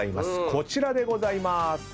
こちらでございまーす。